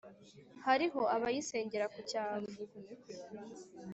Hariho abayisengera ku cyavu,